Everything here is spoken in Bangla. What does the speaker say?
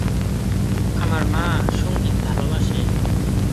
আমার মা সঙ্গীত ভালবাসে।